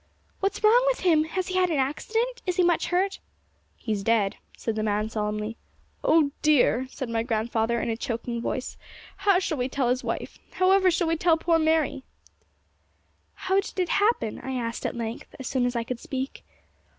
'What's wrong with him? Has he had an accident? Is he much hurt?' 'He's dead,' said the man solemnly. 'Oh dear!' said my grandfather, in a choking voice. 'However shall we tell his wife? However shall we tell poor Mary?' [Illustration: 'HOW DID IT HAPPEN?' I ASKED.] 'How did it happen?' I asked at length, as soon as I could speak.